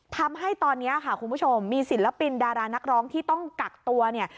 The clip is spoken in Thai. ทำให้ตอนนี้ค่ะคุณผู้ชมมีศิลปินดารานักร้องที่ต้องกักตัวเนี่ย